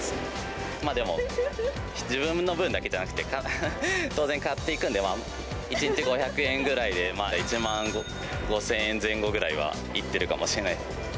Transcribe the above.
まあでも、自分の分だけじゃなくて、当然、買っていくんで、１日５００円ぐらいで、１万５０００円前後ぐらいはいってるかもしれない。